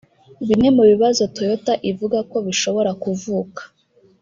Bimwe mu bibazo Toyota ivuga ko bishobora kuvuka